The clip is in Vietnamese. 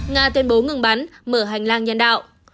nga tuyên bố ngừng bắn mở hành lang nhân đạo